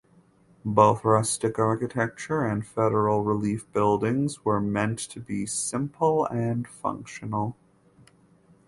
Both rustic architecture and federal relief buildings were meant to be simple and functional.